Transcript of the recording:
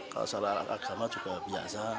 kalau salah agama juga biasa